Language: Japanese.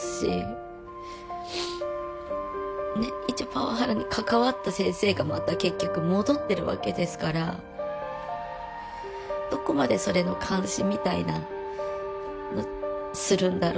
パワハラに関わった先生がまた結局戻ってるわけですからどこまでそれの監視みたいなのをするんだろうとか思いますし。